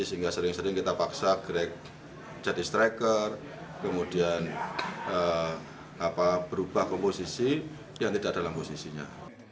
sehingga sering sering kita paksa grack jadi striker kemudian berubah komposisi yang tidak dalam posisinya